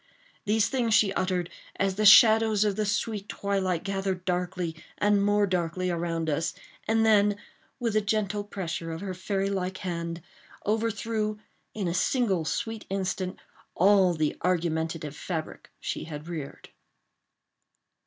These things she uttered as the shadows of the sweet twilight gathered darkly and more darkly around us—and then, with a gentle pressure of her fairy like hand, overthrew, in a single sweet instant, all the argumentative fabric she had reared.